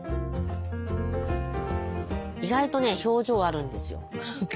意外とね表情あるんですよ。